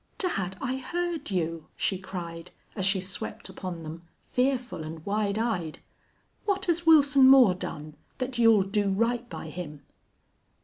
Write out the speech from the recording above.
"Dad, I heard you!" she cried, as she swept upon them, fearful and wide eyed. "What has Wilson Moore done that you'll do right by him?"